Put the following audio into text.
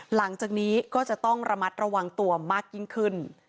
หลังจากนี้ก็จะต้องระมัดระวังตัวมากยิ่งขึ้น